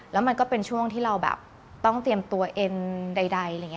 แล้วมันก็เป็นช่วงที่เราแบบต้องเตรียมตัวเอ็นใดอะไรอย่างนี้